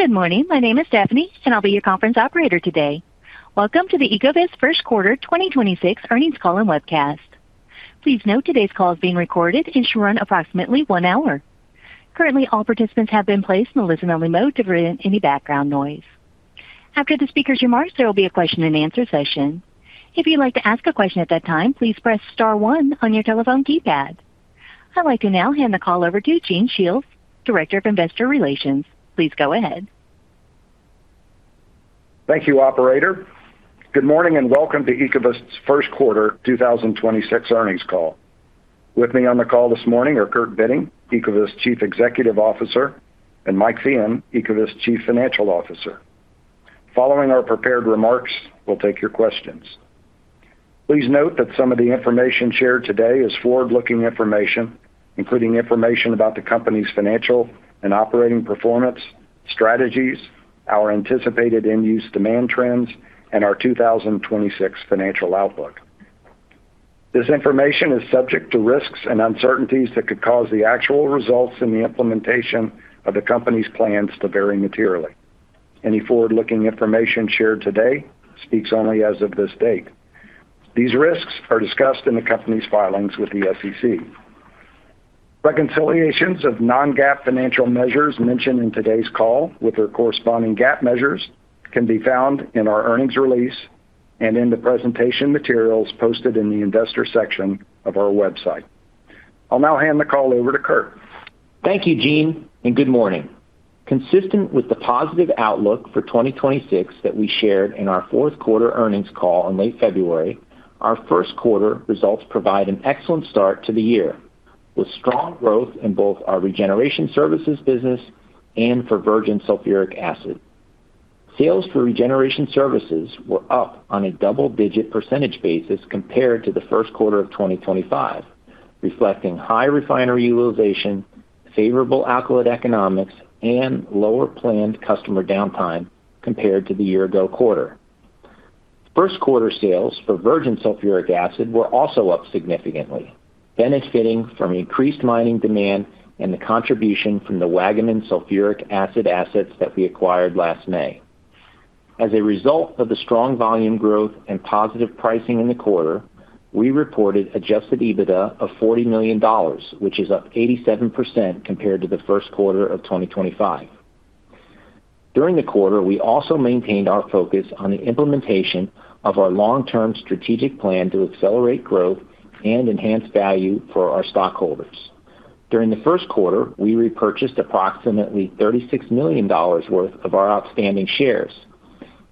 Good morning. My name is Stephanie, and I'll be your conference operator today. Welcome to the Ecovyst first quarter 2026 earnings call and webcast. Please note today's call is being recorded and should run approximately one hour. Currently, all participants have been placed in listen-only mode to prevent any background noise. After the speaker's remarks, there will be a question-and-answer session. If you'd like to ask a question at that time, please press star one on your telephone keypad. I'd like to now hand the call over to Gene Shiels, Director of Investor Relations. Please go ahead. Thank you, operator. Good morning, and welcome to Ecovyst's first quarter 2026 earnings call. With me on the call this morning are Kurt Bitting, Ecovyst Chief Executive Officer, and Mike Feehan, Ecovyst Chief Financial Officer. Following our prepared remarks, we'll take your questions. Please note that some of the information shared today is forward-looking information, including information about the company's financial and operating performance, strategies, our anticipated end-use demand trends, and our 2026 financial outlook. This information is subject to risks and uncertainties that could cause the actual results in the implementation of the company's plans to vary materially. Any forward-looking information shared today speaks only as of this date. These risks are discussed in the company's filings with the SEC. Reconciliations of non-GAAP financial measures mentioned in today's call with their corresponding GAAP measures can be found in our earnings release and in the presentation materials posted in the investor section of our website. I'll now hand the call over to Kurt. Thank you, Gene, and good morning. Consistent with the positive outlook for 2026 that we shared in our fourth quarter earnings call in late February, our first quarter results provide an excellent start to the year, with strong growth in both our regeneration services business and for virgin sulfuric acid. Sales for regeneration services were up on a double-digit percentage basis compared to the first quarter of 2025, reflecting high refinery utilization, favorable alkylation economics, and lower planned customer downtime compared to the year ago quarter. First quarter sales for virgin sulfuric acid were also up significantly, benefiting from increased mining demand and the contribution from the Waggaman sulfuric acid assets that we acquired last May. As a result of the strong volume growth and positive pricing in the quarter, we reported adjusted EBITDA of $40 million, which is up 87% compared to the first quarter of 2025. During the quarter, we also maintained our focus on the implementation of our long-term strategic plan to accelerate growth and enhance value for our stockholders. During the first quarter, we repurchased approximately $36 million worth of our outstanding shares.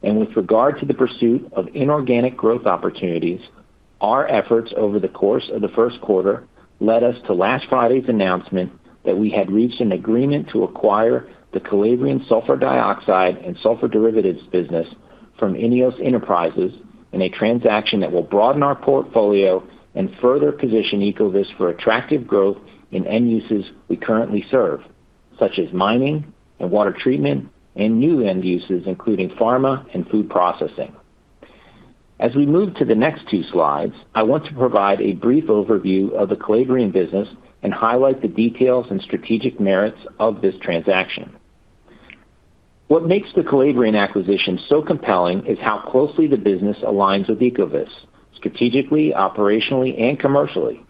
With regard to the pursuit of inorganic growth opportunities, our efforts over the course of the first quarter led us to last Friday's announcement that we had reached an agreement to acquire the Calabrian sulfur dioxide and sulfur derivatives business from INEOS Enterprises in a transaction that will broaden our portfolio and further position Ecovyst for attractive growth in end uses we currently serve, such as mining and water treatment and new end uses, including pharma and food processing. As we move to the next two slides, I want to provide a brief overview of the Calabrian business and highlight the details and strategic merits of this transaction. What makes the Calabrian acquisition so compelling is how closely the business aligns with Ecovyst strategically, operationally, and commercially.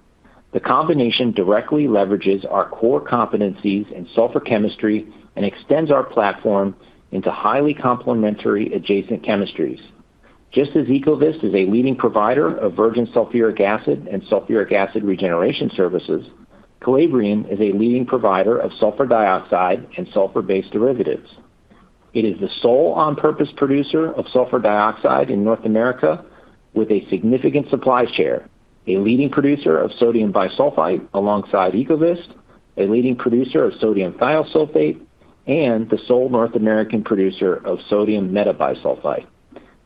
The combination directly leverages our core competencies in sulfur chemistry and extends our platform into highly complementary adjacent chemistries. Just as Ecovyst is a leading provider of virgin sulfuric acid and sulfuric acid regeneration services, Calabrian is a leading provider of sulfur dioxide and sulfur-based derivatives. It is the sole on-purpose producer of sulfur dioxide in North America with a significant supply share, a leading producer of sodium bisulfite alongside Ecovyst, a leading producer of sodium thiosulfate, and the sole North American producer of sodium metabisulfite.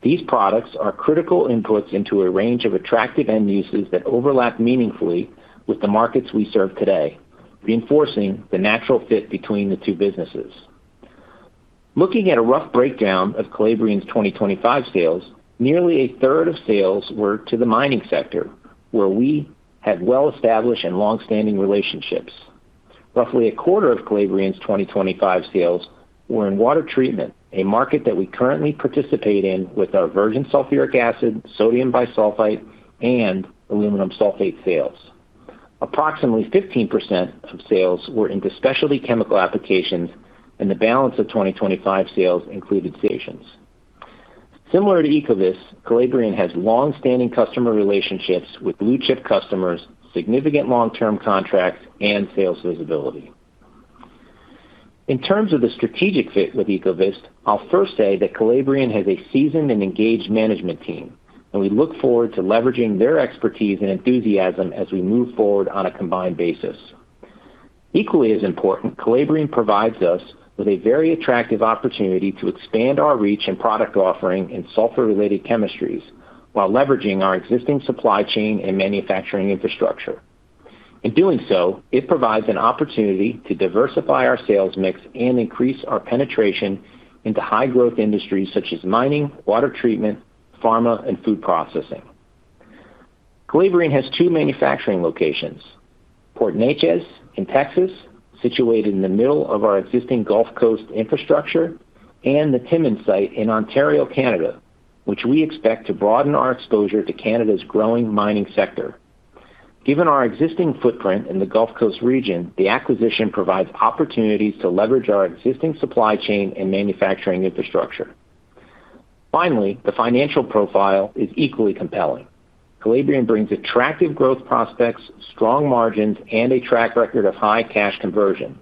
These products are critical inputs into a range of attractive end uses that overlap meaningfully with the markets we serve today, reinforcing the natural fit between the two businesses. Looking at a rough breakdown of Calabrian's 2025 sales, nearly a third of sales were to the mining sector, where we have well-established and long-standing relationships. Roughly a quarter of Calabrian's 2025 sales were in water treatment, a market that we currently participate in with our virgin sulfuric acid, sodium bisulfite, and aluminum sulfate sales. Approximately 15% of sales were into specialty chemical applications, and the balance of 2025 sales included stations. Similar to Ecovyst, Calabrian has long-standing customer relationships with blue-chip customers, significant long-term contracts, and sales visibility. In terms of the strategic fit with Ecovyst, I'll first say that Calabrian has a seasoned and engaged management team, and we look forward to leveraging their expertise and enthusiasm as we move forward on a combined basis. Equally as important, Calabrian provides us with a very attractive opportunity to expand our reach and product offering in sulfur-related chemistries while leveraging our existing supply chain and manufacturing infrastructure. In doing so, it provides an opportunity to diversify our sales mix and increase our penetration into high-growth industries such as mining, water treatment, pharma, and food processing. Calabrian has two manufacturing locations: Port Neches in Texas, situated in the middle of our existing Gulf Coast infrastructure, and the Timmins site in Ontario, Canada, which we expect to broaden our exposure to Canada's growing mining sector. Given our existing footprint in the Gulf Coast region, the acquisition provides opportunities to leverage our existing supply chain and manufacturing infrastructure. Finally, the financial profile is equally compelling. Calabrian brings attractive growth prospects, strong margins, and a track record of high cash conversion.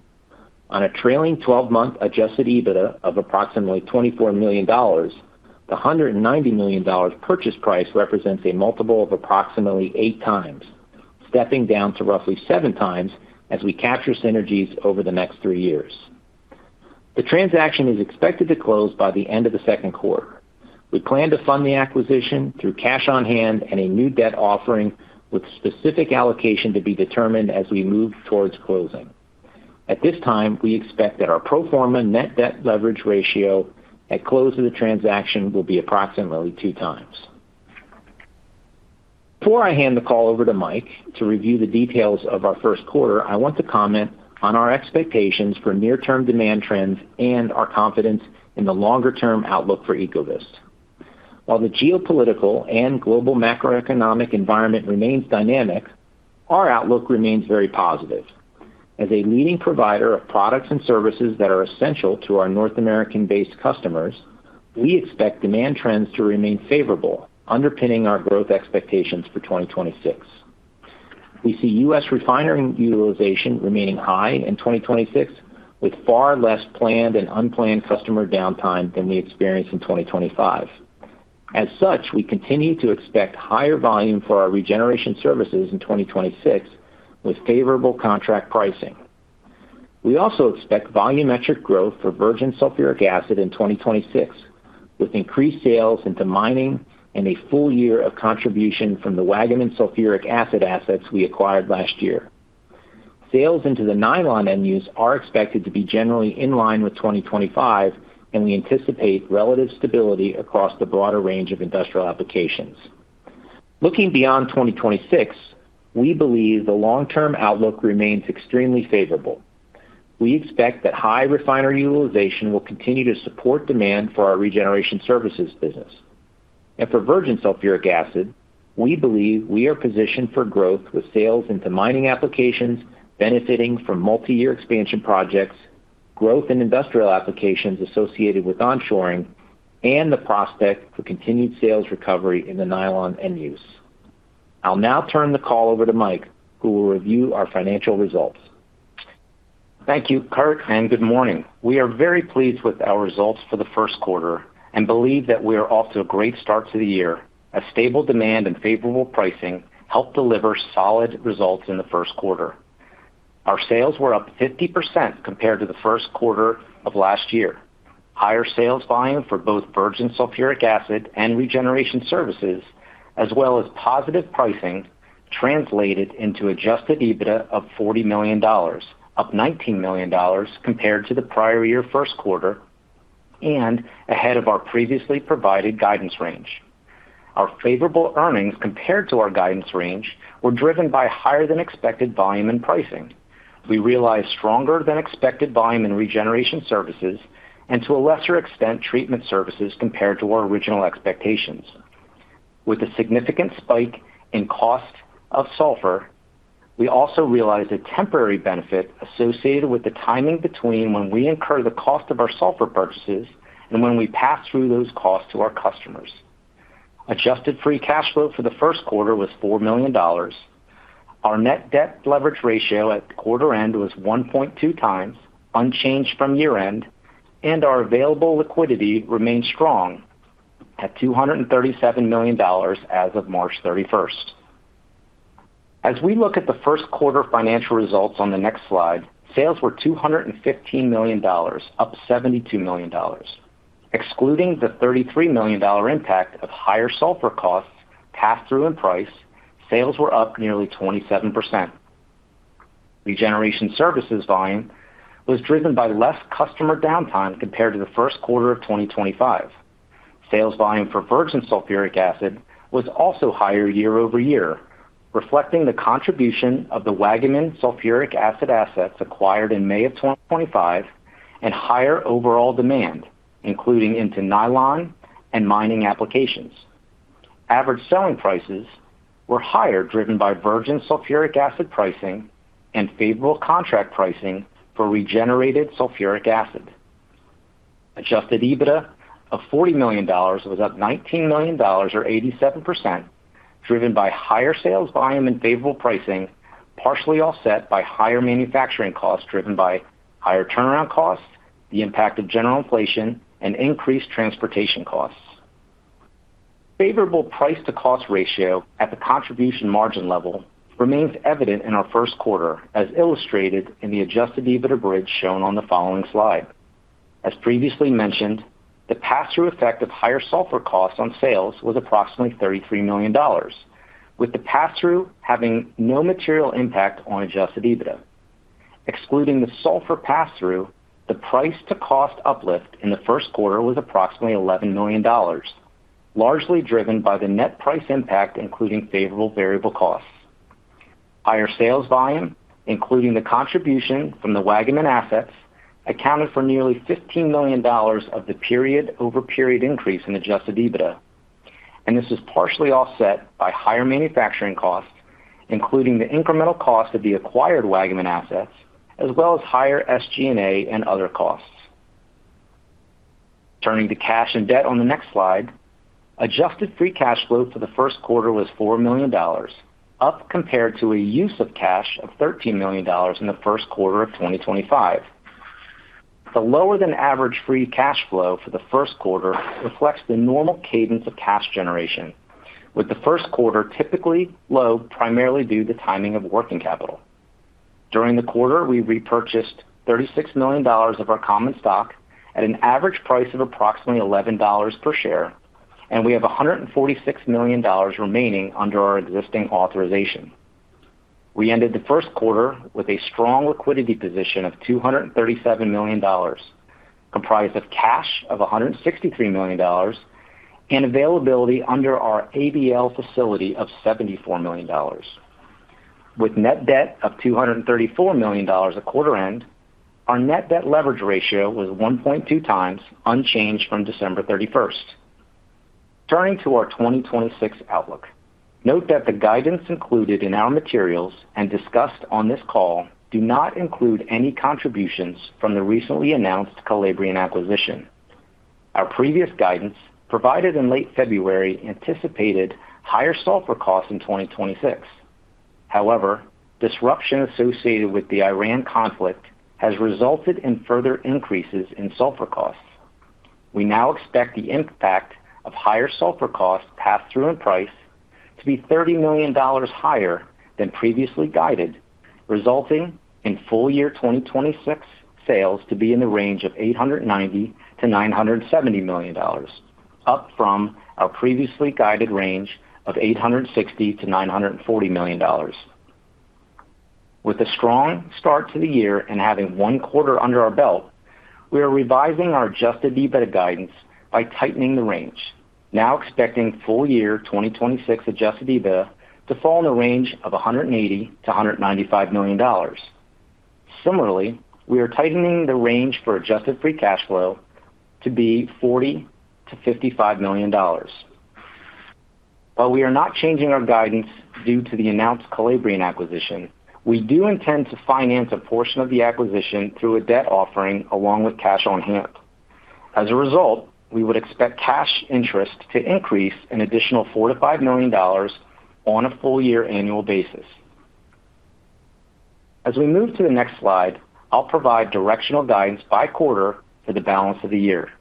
On a trailing twelve-month adjusted EBITDA of approximately $24 million, the $190 million purchase price represents a multiple of approximately 8x, stepping down to roughly 7x as we capture synergies over the next three years. The transaction is expected to close by the end of the second quarter. We plan to fund the acquisition through cash on hand and a new debt offering, with specific allocation to be determined as we move towards closing. At this time, we expect that our pro forma net debt leverage ratio at close of the transaction will be approximately 2 times. Before I hand the call over to Mike to review the details of our first quarter, I want to comment on our expectations for near-term demand trends and our confidence in the longer-term outlook for Ecovyst. While the geopolitical and global macroeconomic environment remains dynamic, our outlook remains very positive. As a leading provider of products and services that are essential to our North American-based customers, we expect demand trends to remain favorable, underpinning our growth expectations for 2026. We see U.S. refinery utilization remaining high in 2026, with far less planned and unplanned customer downtime than we experienced in 2025. We continue to expect higher volume for our regeneration services in 2026, with favorable contract pricing. We also expect volumetric growth for virgin sulfuric acid in 2026, with increased sales into mining and a full year of contribution from the Waggaman sulfuric acid assets we acquired last year. Sales into the nylon end use are expected to be generally in line with 2025, and we anticipate relative stability across the broader range of industrial applications. Looking beyond 2026, we believe the long-term outlook remains extremely favorable. We expect that high refinery utilization will continue to support demand for our regeneration services business. For virgin sulfuric acid, we believe we are positioned for growth, with sales into mining applications benefiting from multiyear expansion projects, growth in industrial applications associated with onshoring, and the prospect for continued sales recovery in the nylon end use. I'll now turn the call over to Mike, who will review our financial results. Thank you, Kurt, and good morning. We are very pleased with our results for the first quarter and believe that we are off to a great start to the year. A stable demand and favorable pricing helped deliver solid results in the first quarter. Our sales were up 50% compared to the first quarter of last year. Higher sales volume for both virgin sulfuric acid and regeneration services, as well as positive pricing, translated into adjusted EBITDA of $40 million, up $19 million compared to the prior year first quarter, and ahead of our previously provided guidance range. Our favorable earnings compared to our guidance range were driven by higher than expected volume and pricing. We realized stronger than expected volume in regeneration services and, to a lesser extent, Treatment Services compared to our original expectations. With a significant spike in cost of sulfur, we also realized a temporary benefit associated with the timing between when we incur the cost of our sulfur purchases and when we pass through those costs to our customers. Adjusted free cash flow for the first quarter was $4 million. Our net debt leverage ratio at quarter end was 1.2x, unchanged from year-end, and our available liquidity remains strong at $237 million as of March 31st. As we look at the first quarter financial results on the next slide, sales were $215 million, up $72 million. Excluding the $33 million impact of higher sulfur costs passed through in price, sales were up nearly 27%. regeneration services volume was driven by less customer downtime compared to the first quarter of 2025. Sales volume for virgin sulfuric acid was also higher year-over-year, reflecting the contribution of the Waggaman sulfuric acid assets acquired in May of 2025 and higher overall demand, including into nylon and mining applications. Average selling prices were higher, driven by virgin sulfuric acid pricing and favorable contract pricing for regenerated sulfuric acid. Adjusted EBITDA of $40 million was up $19 million or 87%, driven by higher sales volume and favorable pricing, partially offset by higher manufacturing costs driven by higher turnaround costs, the impact of general inflation, and increased transportation costs. Favorable price to cost ratio at the contribution margin level remains evident in our first quarter, as illustrated in the adjusted EBITDA bridge shown on the following slide. As previously mentioned, the pass-through effect of higher sulfur costs on sales was approximately $33 million, with the pass-through having no material impact on adjusted EBITDA. Excluding the sulfur pass-through, the price to cost uplift in the first quarter was approximately $11 million, largely driven by the net price impact, including favorable variable costs. Higher sales volume, including the contribution from the Waggaman assets, accounted for nearly $15 million of the period-over-period increase in adjusted EBITDA. This is partially offset by higher manufacturing costs, including the incremental cost of the acquired Waggaman assets, as well as higher SG&A and other costs. Turning to cash and debt on the next slide, adjusted free cash flow for the first quarter was $4 million, up compared to a use of cash of $13 million in the first quarter of 2025. The lower than average free cash flow for the first quarter reflects the normal cadence of cash generation, with the first quarter typically low primarily due to the timing of working capital. During the quarter, we repurchased $36 million of our common stock at an average price of approximately $11 per share, and we have $146 million remaining under our existing authorization. We ended the first quarter with a strong liquidity position of $237 million, comprised of cash of $163 million and availability under our ABL facility of $74 million. With net debt of $234 million at quarter end, our net debt leverage ratio was 1.2x, unchanged from December 31st. Turning to our 2026 outlook, note that the guidance included in our materials and discussed on this call do not include any contributions from the recently announced Calabrian acquisition. Our previous guidance, provided in late February, anticipated higher sulfur costs in 2026. However, disruption associated with the Iran conflict has resulted in further increases in sulfur costs. We now expect the impact of higher sulfur costs passed through in price to be $30 million higher than previously guided, resulting in full year 2026 sales to be in the range of $890 million-$970 million, up from our previously guided range of $860 million-$940 million. With a strong start to the year and having one quarter under our belt, we are revising our adjusted EBITDA guidance by tightening the range, now expecting full year 2026 adjusted EBITDA to fall in the range of $180 million-$195 million. Similarly, we are tightening the range for adjusted free cash flow to be $40 million-$55 million. While we are not changing our guidance due to the announced Calabrian acquisition, we do intend to finance a portion of the acquisition through a debt offering along with cash on hand. As a result, we would expect cash interest to increase an additional $4 million-$5 million on a full year annual basis. As we move to the next slide, I'll provide directional guidance by quarter for the balance of the year.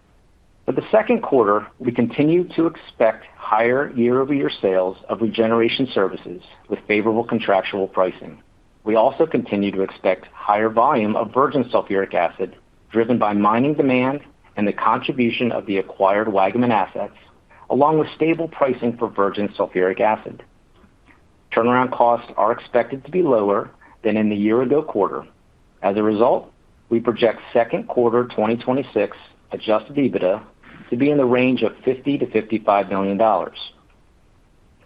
For the second quarter, we continue to expect higher year-over-year sales of regeneration services with favorable contractual pricing. We also continue to expect higher volume of virgin sulfuric acid driven by mining demand and the contribution of the acquired Waggaman assets, along with stable pricing for virgin sulfuric acid. Turnaround costs are expected to be lower than in the year ago quarter. As a result, we project second quarter 2026 adjusted EBITDA to be in the range of $50 million-$55 million.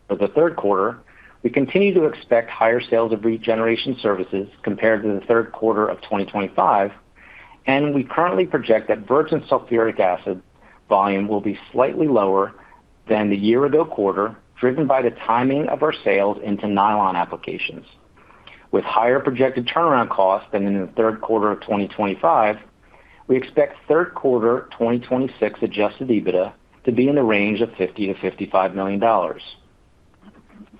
For the third quarter, we continue to expect higher sales of regeneration services compared to the third quarter of 2025, and we currently project that virgin sulfuric acid volume will be slightly lower than the year ago quarter, driven by the timing of our sales into nylon applications. With higher projected turnaround costs than in the third quarter of 2025, we expect third quarter 2026 adjusted EBITDA to be in the range of $50 million-$55 million.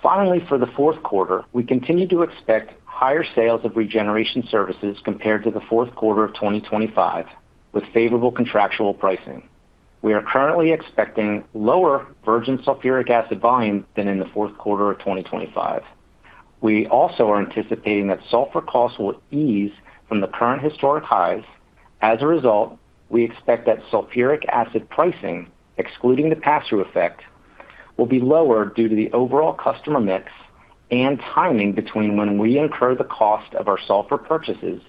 Finally, for the fourth quarter, we continue to expect higher sales of regeneration services compared to the fourth quarter of 2025 with favorable contractual pricing. We are currently expecting lower virgin sulfuric acid volume than in the fourth quarter of 2025. We also are anticipating that sulfur costs will ease from the current historic highs. As a result, we expect that sulfuric acid pricing, excluding the pass-through effect, will be lower due to the overall customer mix and timing between when we incur the cost of our sulfur purchases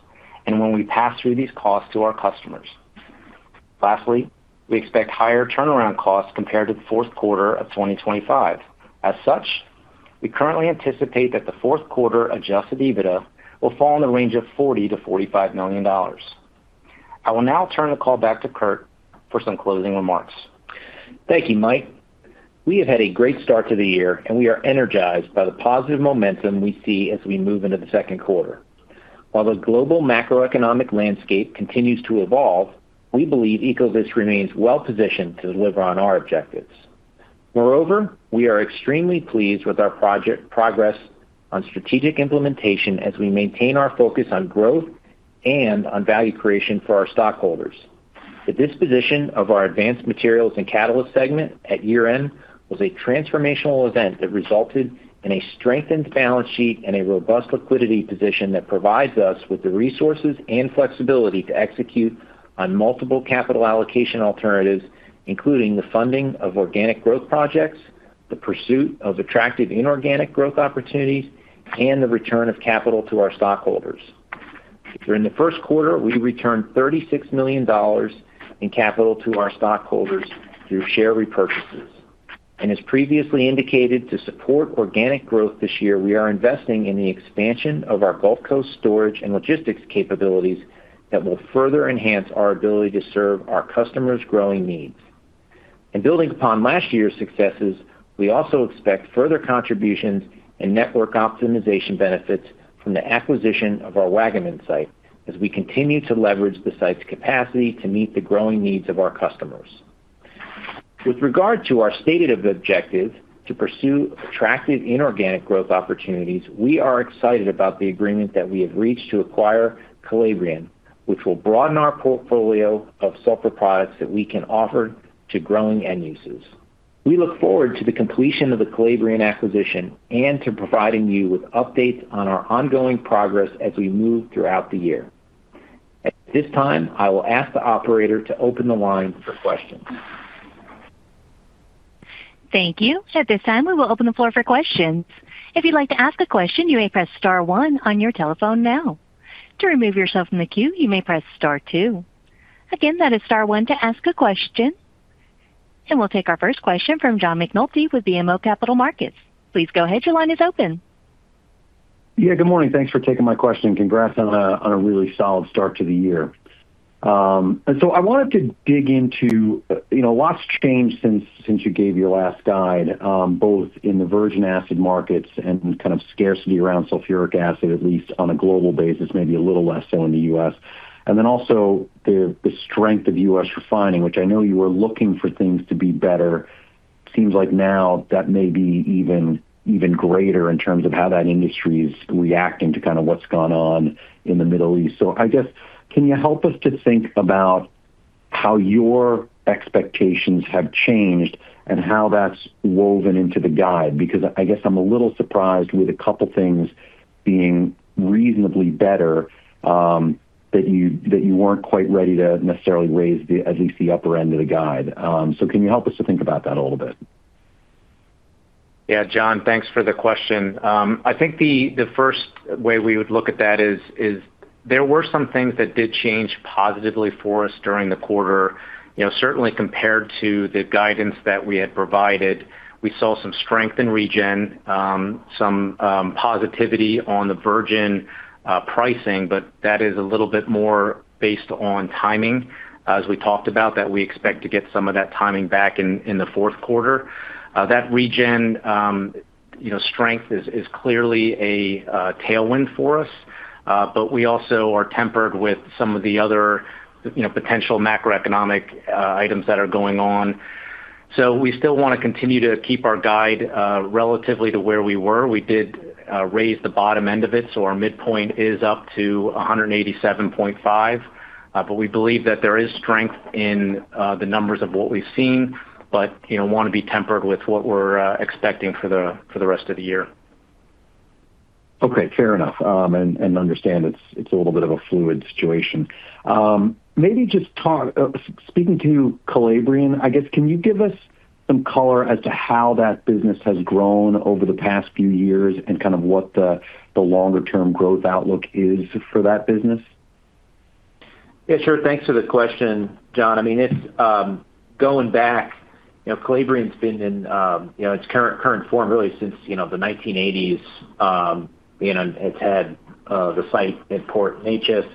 and when we pass through these costs to our customers. Lastly, we expect higher turnaround costs compared to the fourth quarter of 2025. As such, we currently anticipate that the fourth quarter adjusted EBITDA will fall in the range of $40 million-$45 million. I will now turn the call back to Kurt for some closing remarks. Thank you, Mike. We have had a great start to the year, and we are energized by the positive momentum we see as we move into the second quarter. While the global macroeconomic landscape continues to evolve, we believe Ecovyst remains well positioned to deliver on our objectives. We are extremely pleased with our project progress on strategic implementation as we maintain our focus on growth and on value creation for our stockholders. The disposition of our Advanced Materials and Catalyst segment at year-end was a transformational event that resulted in a strengthened balance sheet and a robust liquidity position that provides us with the resources and flexibility to execute on multiple capital allocation alternatives, including the funding of organic growth projects, the pursuit of attractive inorganic growth opportunities and the return of capital to our stockholders. During the first quarter, we returned $36 million in capital to our stockholders through share repurchases. As previously indicated, to support organic growth this year, we are investing in the expansion of our Gulf Coast storage and logistics capabilities that will further enhance our ability to serve our customers' growing needs. Building upon last year's successes, we also expect further contributions and network optimization benefits from the acquisition of our Waggaman site as we continue to leverage the site's capacity to meet the growing needs of our customers. With regard to our stated objective to pursue attractive inorganic growth opportunities, we are excited about the agreement that we have reached to acquire Calabrian, which will broaden our portfolio of sulfur products that we can offer to growing end users. We look forward to the completion of the Calabrian acquisition and to providing you with updates on our ongoing progress as we move throughout the year. At this time, I will ask the operator to open the line for questions. Thank you. We'll take our first question from John McNulty with BMO Capital Markets. Please go ahead, your line is open. Yeah, good morning. Thanks for taking my question. Congrats on a really solid start to the year. I wanted to dig into, you know, a lot's changed since you gave your last guide, both in the virgin acid markets and kind of scarcity around sulfuric acid, at least on a global basis, maybe a little less so in the U.S. Also the strength of U.S. refining, which I know you were looking for things to be better. Seems like now that may be even greater in terms of how that industry is reacting to kind of what's gone on in the Middle East. I guess, can you help us to think about how your expectations have changed and how that's woven into the guide? I guess I'm a little surprised with a couple things being reasonably better, that you weren't quite ready to necessarily raise the, at least the upper end of the guide? Can you help us to think about that a little bit? John, thanks for the question. I think the first way we would look at that is there were some things that did change positively for us during the quarter. You know, certainly compared to the guidance that we had provided. We saw some strength in regen, some positivity on the virgin pricing, but that is a little bit more based on timing. As we talked about, that we expect to get some of that timing back in the fourth quarter. That regen, you know, strength is clearly a tailwind for us. We also are tempered with some of the other, you know, potential macroeconomic items that are going on. We still wanna continue to keep our guide relatively to where we were. We did raise the bottom end of it. Our midpoint is up to $187.5. We believe that there is strength in the numbers of what we've seen, but, you know, wanna be tempered with what we're expecting for the rest of the year. Fair enough. Understand it's a little bit of a fluid situation. Speaking to Calabrian, I guess, can you give us some color as to how that business has grown over the past few years and kind of what the longer term growth outlook is for that business? Yeah, sure. Thanks for the question, John. I mean, it's going back, you know, Calabrian's been in, you know, its current form really since, you know, the 1980s. You know, it's had the site at Port Neches.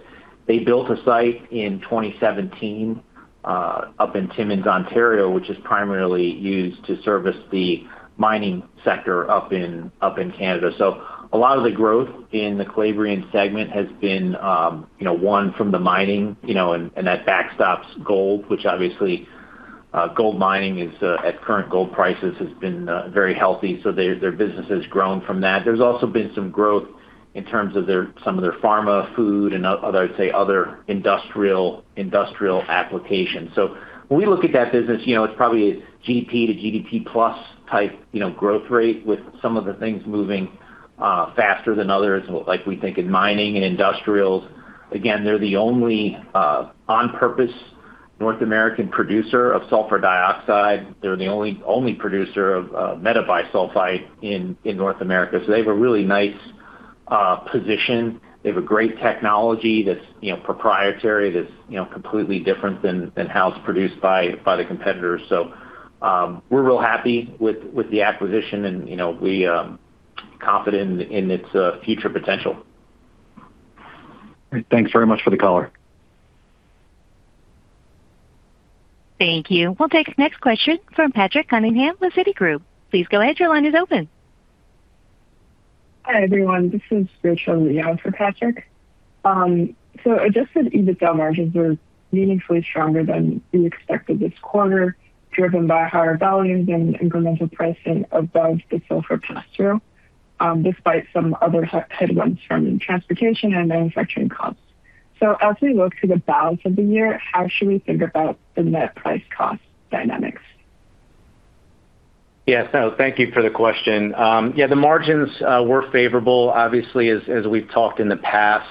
They built a site in 2017 up in Timmins, Ontario, which is primarily used to service the mining sector up in Canada. A lot of the growth in the Calabrian segment has been, you know, one, from the mining, you know, and that backstops gold, which obviously gold mining is at current gold prices has been very healthy, their business has grown from that. There's also been some growth in terms of their, some of their pharma, food and other, I'd say, industrial applications. When we look at that business, you know, it's probably GP to GP plus type, you know, growth rate with some of the things moving faster than others, like we think in mining and industrials. Again, they're the only on-purpose North American producer of sulfur dioxide. They're the only producer of metabisulfite in North America. They have a really nice position. They have a great technology that's, you know, proprietary that's, you know, completely different than how it's produced by the competitors. We're real happy with the acquisition and, you know, we confident in its future potential. Great. Thanks very much for the color. Thank you. We'll take the next question from Patrick Cunningham with Citigroup. Please go ahead, your line is open. Hi, everyone. This is Rachel Lee on for Patrick. Adjusted EBITDA margins were meaningfully stronger than we expected this quarter, driven by higher volumes and incremental pricing above the sulfur pass-through, despite some other headwinds from transportation and manufacturing costs. As we look to the balance of the year, how should we think about the net price cost dynamics? Thank you for the question. The margins were favorable. Obviously, as we've talked in the past.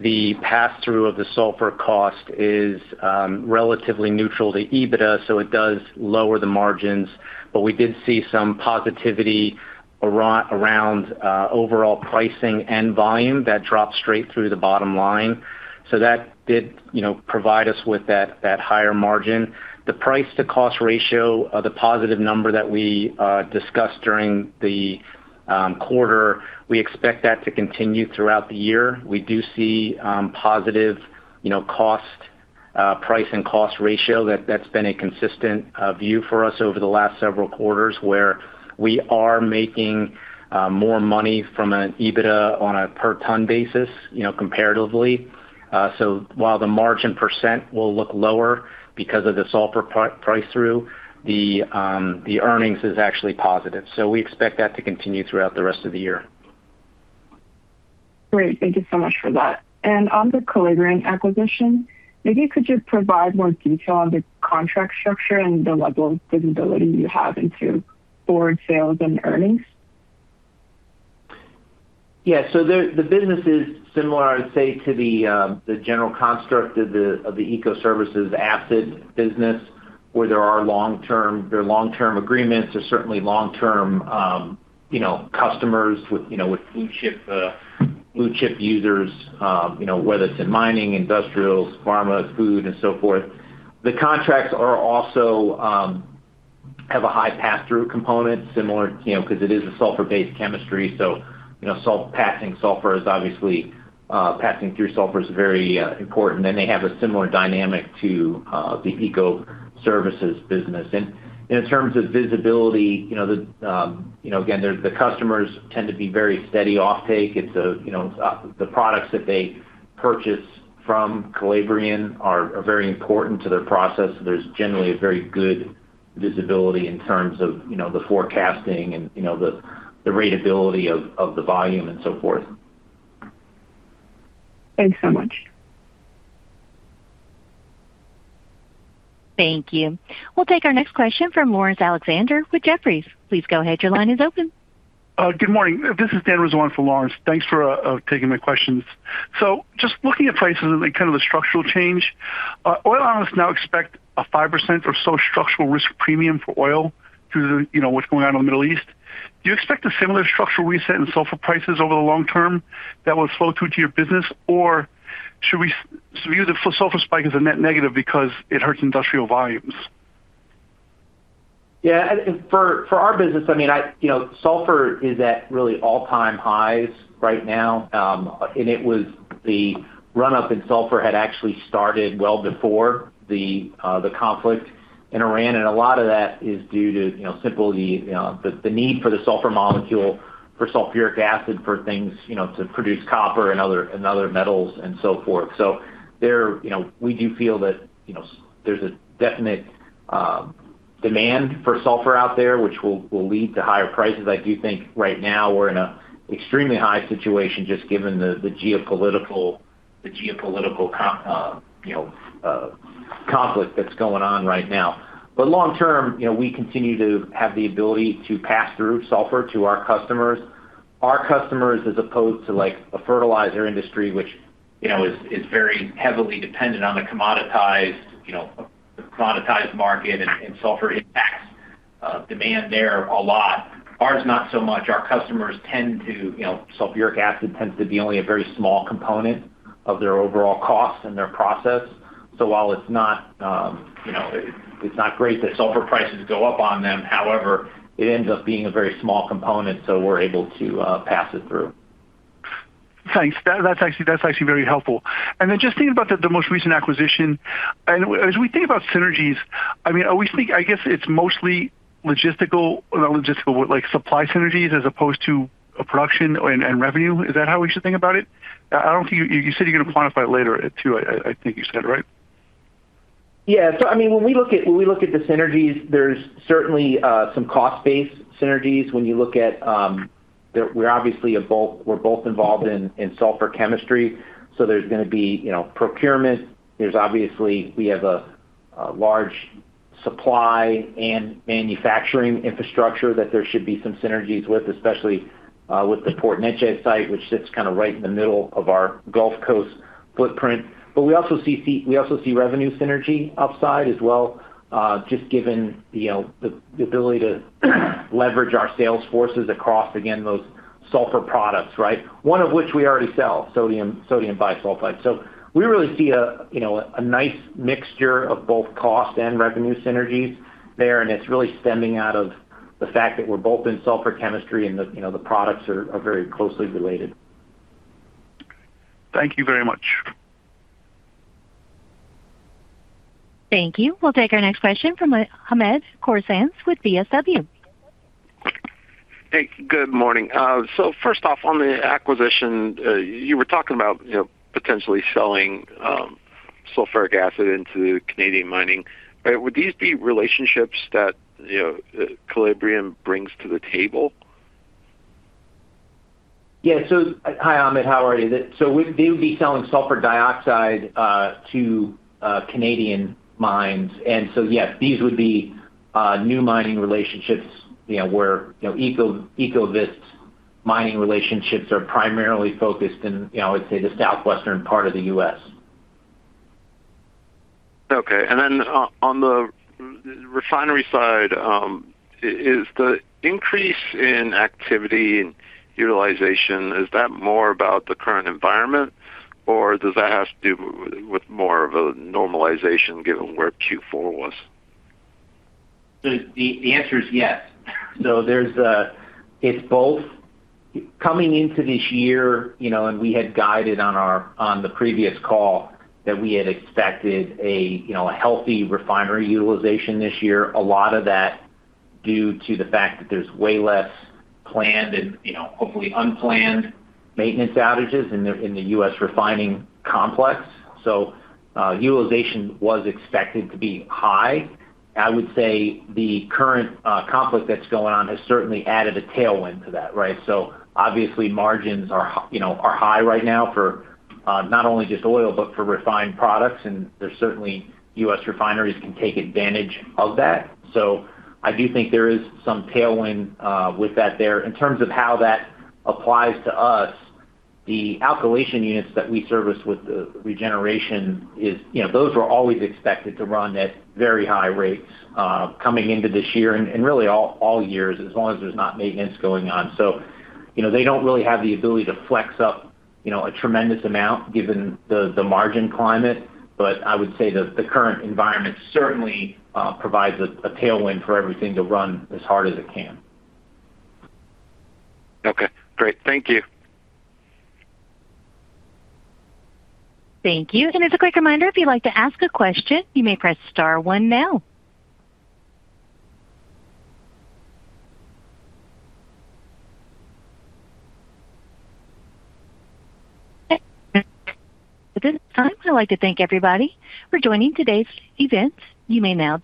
The pass-through of the sulfur cost is relatively neutral to EBITDA, it does lower the margins. We did see some positivity around overall pricing and volume that dropped straight through the bottom line. That did, you know, provide us with that higher margin. The price to cost ratio, the positive number that we discussed during the quarter, we expect that to continue throughout the year. We do see positive, you know, cost, price and cost ratio that's been a consistent view for us over the last several quarters, where we are making more money from an EBITDA on a per ton basis, you know, comparatively. While the margin % will look lower because of the sulfur price through, the earnings is actually positive. We expect that to continue throughout the rest of the year. Great. Thank you so much for that. On the Calabrian acquisition, maybe could you provide more detail on the contract structure and the level of visibility you have into forward sales and earnings? Yeah. The business is similar, I would say, to the general construct of the Ecoservices acid business, where there are long term agreements. There's certainly long term, you know, customers with, you know, with blue chip, blue chip users, you know, whether it's in mining, industrials, pharma, food, and so forth. The contracts are also have a high passthrough component similar, you know, because it is a sulfur-based chemistry. You know, passing sulfur is obviously passing through sulfur is very important. They have a similar dynamic to the Ecoservices business. In terms of visibility, you know, again, the customers tend to be very steady offtake. It's a, you know, the products that they purchase from Calabrian are very important to their process, so there's generally a very good visibility in terms of, you know, the forecasting and, you know, the ratability of the volume and so forth. Thanks so much. Thank you. We'll take our next question from Laurence Alexander with Jefferies. Please go ahead. Good morning. This is Daniel Rizzo for Laurence. Thanks for taking my questions. Just looking at prices and kind of the structural change, oil analysts now expect a 5% or so structural risk premium for oil due to, you know, what's going on in the Middle East. Do you expect a similar structural reset in sulfur prices over the long term that will flow through to your business, or should we view the sulfur spike as a net negative because it hurts industrial volumes? Yeah. For our business, I mean, you know, sulfur is at really all-time highs right now. It was the run-up in sulfur had actually started well before the conflict in Iran, a lot of that is due to, you know, simply, you know, the need for the sulfur molecule for sulfuric acid for things, you know, to produce copper and other metals and so forth. There, you know, we do feel that, you know, there's a definite demand for sulfur out there, which will lead to higher prices. I do think right now we're in a extremely high situation just given the geopolitical conflict that's going on right now. Long term, you know, we continue to have the ability to pass through sulfur to our customers. Our customers as opposed to, like, a fertilizer industry, which, you know, is very heavily dependent on the commoditized, you know, commoditized market, and sulfur impacts demand there a lot. Ours not so much. Our customers tend to, you know, sulfuric acid tends to be only a very small component of their overall cost and their process. While it's not, you know, it's not great that sulfur prices go up on them, however, it ends up being a very small component, so we're able to pass it through. Thanks. That's actually very helpful. Then just thinking about the most recent acquisition. As we think about synergies, I mean, I guess it's mostly logistical, not logistical, like supply synergies as opposed to a production and revenue? Is that how we should think about it? I don't think you said you're gonna quantify it later too, I think you said, right? Yeah. I mean, when we look at, when we look at the synergies, there's certainly some cost-based synergies when you look at we're obviously both involved in sulfur chemistry, so there's gonna be, you know, procurement. There's obviously, we have a large supply and manufacturing infrastructure that there should be some synergies with, especially with the Port Neches site, which sits kind of right in the middle of our Gulf Coast footprint. We also see revenue synergy upside as well, just given, you know, the ability to leverage our sales forces across, again, those sulfur products, right? One of which we already sell, sodium bisulfite. We really see a, you know, a nice mixture of both cost and revenue synergies there, and it's really stemming out of the fact that we're both in sulfur chemistry and the, you know, the products are very closely related. Thank you very much. Thank you. We'll take our next question from Hamed Khorsand with BWS. Hey, good morning. First off, on the acquisition, you were talking about, you know, potentially selling sulfuric acid into Canadian mining. Would these be relationships that, you know, Calabrian brings to the table? Hi, Hamed. How are you? They would be selling sulfur dioxide to Canadian mines. Yes, these would be new mining relationships, you know, where, you know, Ecovyst mining relationships are primarily focused in, you know, I would say the southwestern part of the U.S. Okay. Then on the refinery side, is the increase in activity and utilization, is that more about the current environment, or does that have to do with more of a normalization given where Q4 was? The answer is yes. It's both. Coming into this year, we had guided on the previous call that we had expected a healthy refinery utilization this year, a lot of that due to the fact that there's way less planned and, hopefully unplanned maintenance outages in the U.S. refining complex. Utilization was expected to be high. I would say the current conflict that's going on has certainly added a tailwind to that, right? Obviously margins are high right now for not only just oil, but for refined products, and there's certainly U.S. refineries can take advantage of that. I do think there is some tailwind with that there. In terms of how that applies to us, the alkylation units that we service with the regeneration is, you know, those were always expected to run at very high rates coming into this year and really all years, as long as there's not maintenance going on. I would say the current environment certainly provides a tailwind for everything to run as hard as it can. Okay, great. Thank you. Thank you. As a quick reminder if you want to ask a question you may press star one now. At this time, I'd like to thank everybody for joining today's event. You may now disconnect.